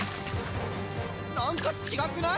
なんか違くない！？